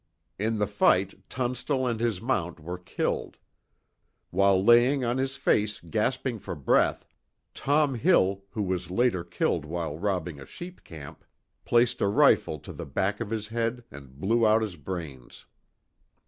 In the fight, Tunstall and his mount were killed. While laying on his face gasping for breath, Tom Hill, who was later killed while robbing a sheep camp, placed a rifle to the back of his head and blew out his brains.